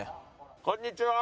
こんにちは！